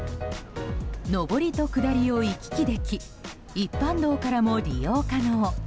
上りと下りを行き来でき一般道からも利用可能。